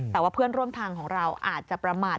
แต่ว่าเพื่อนร่วมทางของเราอาจจะประมาท